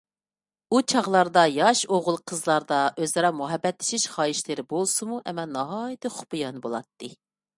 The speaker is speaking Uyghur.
ئۇ چاغلاردا ياش ئوغۇل-قىزلاردا ئۆزئارا مۇھەببەتلىشىش خاھىشلىرى بولسىمۇ، ئەمما ناھايىتى خۇپىيانە بولاتتى.